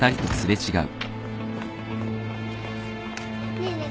ねえねえ